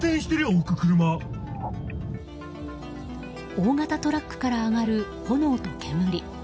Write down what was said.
大型トラックから上がる炎と煙。